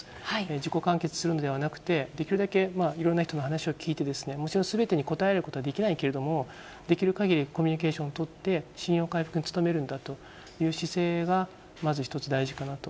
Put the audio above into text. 自己完結するのではなくて、できるだけいろんな人の話を聞いて、もちろん、すべてに応えることはできないけれども、できるかぎりコミュニケーションを取って、信用回復に努めるんだという姿勢がまず一つ大事かなと。